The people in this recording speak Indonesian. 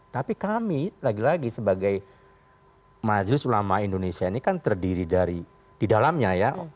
tapi kami lagi lagi sebagai majlis ulama indonesia ini kan terdiri dari di dalamnya ya